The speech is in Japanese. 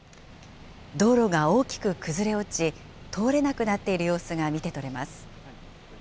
道路が大きく崩れ落ち、通れなくなっている様子が見て取れます。